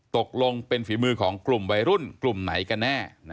ตกลงเป็นฝีมือของกลุ่มวัยรุ่นกลุ่มไหนกันแน่